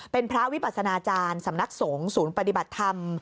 เป็นพระวิปัสนาจารย์สำนักสงฆ์ศูนย์ปฏิบัติธรรม